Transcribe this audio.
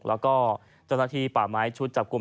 แล้วก็เจ้าหน้าที่ป่าไม้ชุดจับกลุ่ม